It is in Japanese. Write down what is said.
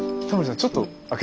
ちょっと開けてみて。